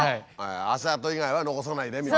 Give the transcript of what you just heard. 「足跡以外は残さないで」みたいなね。